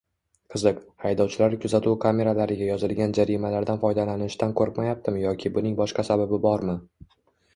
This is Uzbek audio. Qiziq, haydovchilar kuzatuv kameralariga yozilgan jarimalardan foydalanishdan qo'rqmayaptimi yoki buning boshqa sababi bormi?